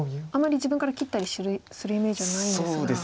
あまり自分から切ったりするイメージはないんですが。